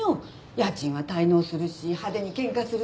家賃は滞納するし派手に喧嘩するし。